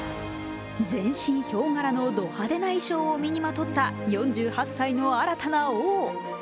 全身ヒョウ柄のド派手な衣装を身にまとった４８歳の新たな王。